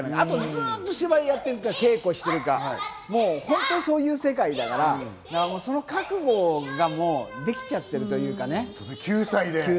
ずっと芝居やって稽古してるか、本当にそういう世界だから、その覚悟がもうできちゃってると９歳で。